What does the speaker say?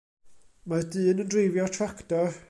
Mae'r dyn yn dreifio'r tractor.